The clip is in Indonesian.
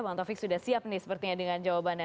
bang taufik sudah siap nih sepertinya dengan jawabannya